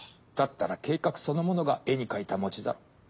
だったら計画そのものが絵に描いた餅だ。